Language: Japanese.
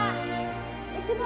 ・いくぞ。